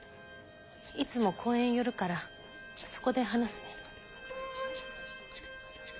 いつも公園寄るからそこで話すね。